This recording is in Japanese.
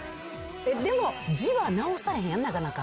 でも字は直されへんなかなか。